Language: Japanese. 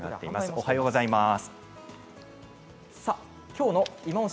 おはようございます。